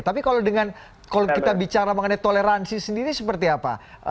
tapi kalau kita bicara mengenai toleransi sendiri seperti apa